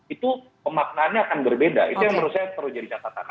itu pemaknaannya akan berbeda itu yang menurut saya perlu jadi catatan